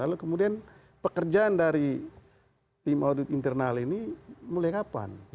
lalu kemudian pekerjaan dari tim audit internal ini mulai kapan